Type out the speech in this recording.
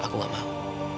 aku gak mau